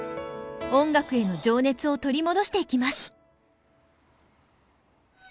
音楽への情熱を取り戻していきます。